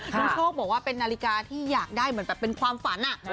น้องโชคบอกว่าเป็นนาฬิกาที่อยากได้เหมือนแบบเป็นความฝัน